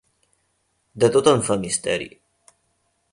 De tot en fa misteri.